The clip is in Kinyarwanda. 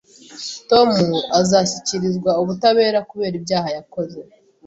Tom azashyikirizwa ubutabera kubera ibyaha yakoze